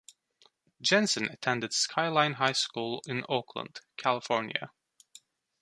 Jensen attended Skyline High School in Oakland, California.